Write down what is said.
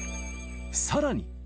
さらに。